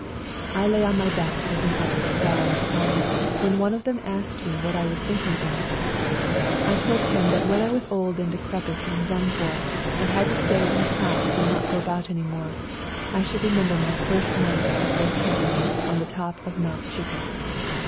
I lay on my back looking up at the stars, and, when one of them asked me what I was thinking about, I told him FIGHTING ON MOUNT CHUKUS 143 that when I was old and decrepit and done for, and had to stay in a house and not go about any more, I should remember my first night with the Fourth Company on the top of Mount Chukus.